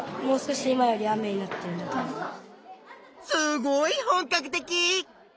すごい本かく的！